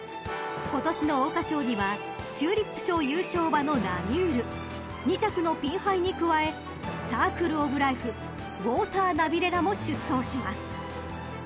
［今年の桜花賞にはチューリップ賞優勝馬のナミュール２着のピンハイに加えサークルオブライフウォーターナビレラも出走します］